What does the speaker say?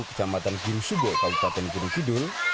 kecamatan gim subo kabupaten gunung kidul